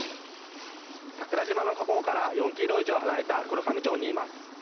桜島の火口から４キロ以上離れた黒神町にいます。